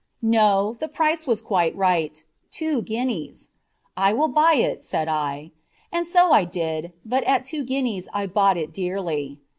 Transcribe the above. No; the price was quite right "two guineas!" "I will buy it," said I. And so I did; but at two guineas I bought it dearly.